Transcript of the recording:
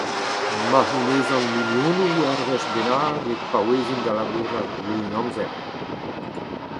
Ma c’hounezan milionoù ur wech bennak e paouezin da labourat leunamzer.